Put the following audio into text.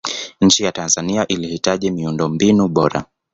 nchi ya tanzania ilihitaji miundombinu bora